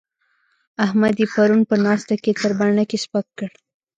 احمد يې پرون په ناسته کې تر بڼکې سپک کړ.